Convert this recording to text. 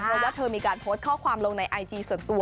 เพราะว่าเธอมีการโพสต์ข้อความลงในไอจีส่วนตัว